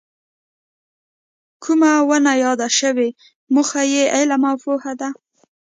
کومه ونه یاده شوې موخه یې علم او پوهه ده.